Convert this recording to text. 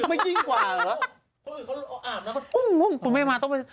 ไม่ยิ่งกว่าเหรอ